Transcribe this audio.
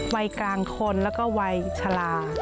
วัยกลางคนแล้วก็วัยชะลา